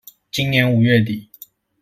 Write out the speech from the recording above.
今年五月底